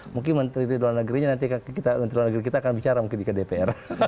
mungkin menteri luar negeri kita akan bicara mungkin di kdpr